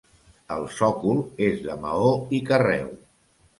El sòcol és de maó i carreu.